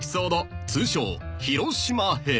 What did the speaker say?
通称広島編］